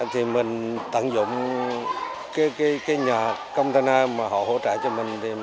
thì mình tận dụng cái nhà container mà họ hỗ trợ cho mình